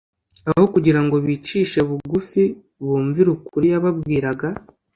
Aho kugira ngo bicishe bugufi bumvire ukuri yababwiraga